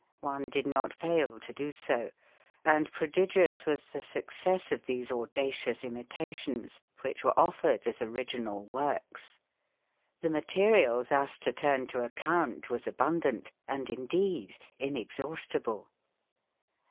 One did not fail to do so; and prodigious was the success of these audacious imitations which were offered as original works. The material thus to turn to account was abundant, and indeed inexhaustible.